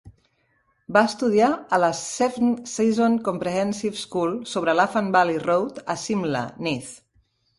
Va estudiar a la Cefn Saeson Comprehensive School, sobre l' Afan Valley Road a Cimla, Neath.